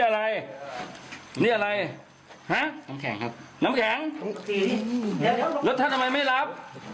และท่านทำไมไม่รับ